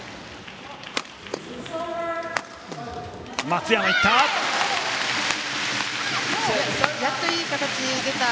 松山、いった！